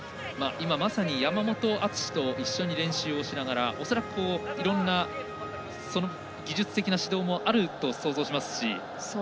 今、まさに山本篤と一緒に練習をしながら恐らくいろんな技術的な指導もあると想像しますし。